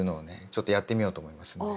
ちょっとやってみようと思いますんで。